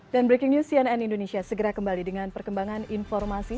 dan breaking news sian indonesia segera kembali dengan perkembangan informasi